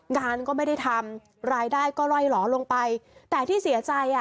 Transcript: งานก็ไม่ได้ทำรายได้ก็ล่อยหล่อลงไปแต่ที่เสียใจอ่ะ